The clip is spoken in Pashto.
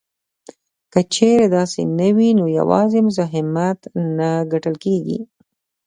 که چېرې داسې نه وي نو یوازې مزاحمت نه ګڼل کیږي